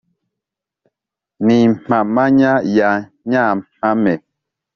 N'impamanya ya Nyampame